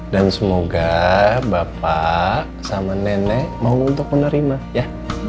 dan semoga bapak sama nenek mau untuk menerima ya